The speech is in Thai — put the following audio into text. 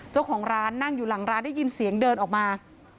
เจ้าของร้านนั่งอยู่หลังร้านได้ยินเสียงเดินออกมา